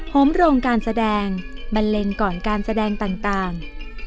มโรงการแสดงบันเลงก่อนการแสดงต่าง